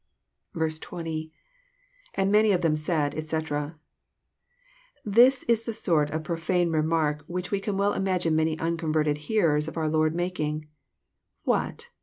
.— ^And many of them saUl^ etc,'] This is the sort of profane remark which we can well imagine many unconverted hearers of oar Lord making :What!